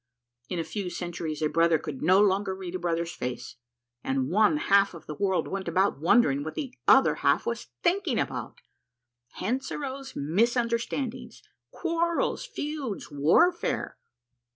In a few centuries a brother could no longer read a brother's face, and one half the world went about wondering what the other half was thinking about; hence arose misunderstandings, quarrels, feuds, warfare.